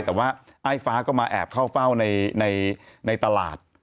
แต่ว่าไอ้ฟ้าก็มาแอบเข้าเฝ้าในตลาด